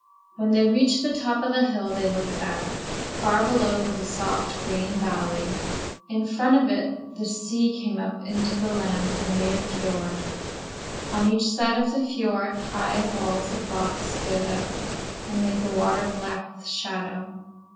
When they reached the top of the hill they looked back. Far below was a soft, green valley. In front of it the sea came up into the land and made a fiord. On each side of the fiord high walls of rock stood up and made the water black with shadow.